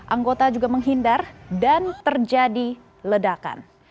anggota juga menghindar dan terjadi ledakan